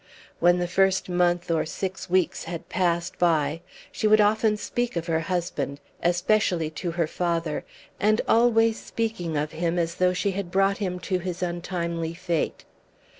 When the first month or six weeks had passed by she would often speak of her husband, especially to her father, and always speaking of him as though she had brought him to his untimely fate.